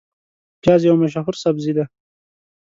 پیاز یو مشهور سبزی دی